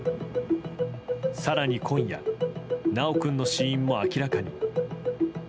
更に今夜、修君の死因も明らかに。